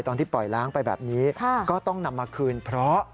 ตอนที่ปล่อยล้างไปแบบนี้ก็ต้องนำมาคืนเพราะ